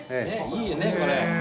いいよねこれ。